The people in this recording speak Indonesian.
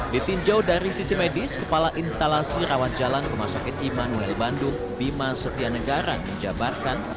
ditinjau dari sisi medis kepala instalasi rawat jalan rumah sakit immanuel bandung bima setia negara menjabarkan